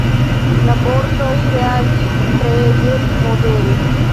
La borsoj reagis treege modere.